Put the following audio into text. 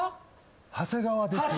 長谷川です。